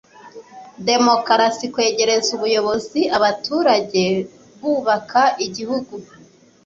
demokarasi kwegeraza ubuyobozi abaturage kubaka igihugu